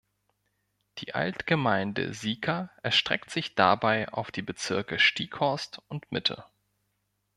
Die Altgemeinde Sieker erstreckt sich dabei auf die Bezirke Stieghorst und Mitte.